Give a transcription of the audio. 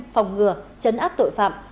phòng ngừa chấn áp tội phạm